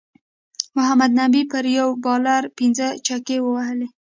محمد نبی پر یو بالر پنځه چکی ووهلی